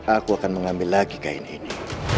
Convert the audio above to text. aku akan mengambil lagi kain ini